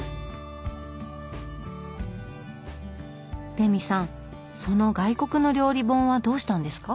レミさんその外国の料理本はどうしたんですか？